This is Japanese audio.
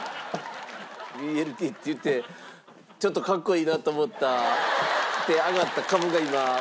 ＢＬＴって言ってちょっとかっこいいなと思ったで上がった株が今大暴落しました。